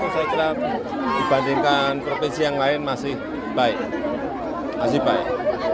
saya kira dibandingkan provinsi yang lain masih baik masih baik